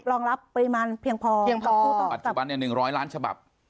รองรับปริมาณเพียงพอปัจจุบันอย่าง๑๐๐ล้านฉบับ